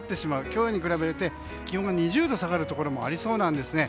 今日に比べて気温が２０度下がるところがありそうなんですね。